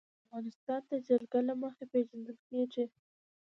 افغانستان د جلګه له مخې پېژندل کېږي.